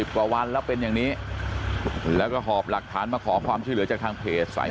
๒๐กว่าวันแล้วเป็นอย่างนี้แล้วก็หอบหลักฐานมาขอความที่เฉยจากความเพลงในที่เพจ